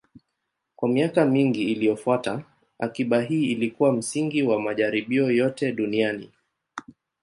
Kwa miaka mingi iliyofuata, akiba hii ilikuwa msingi wa majaribio yote duniani.